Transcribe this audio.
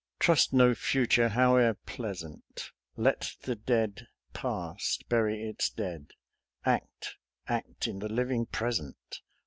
" Trust no Future, howe'er pleasant ! Let the dead Past bury its dead ! Act, act in the living present!